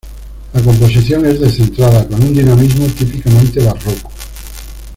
La composición es descentrada, con un dinamismo típicamente barroco.